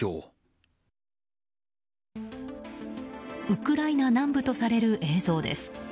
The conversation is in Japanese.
ウクライナ南部とされる映像です。